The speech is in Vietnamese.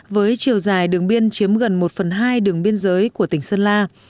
với chiều dài đường biên chiếm gần một phần hai đường biên giới của tỉnh sơn la